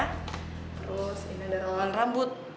terus ini ada rawan rambut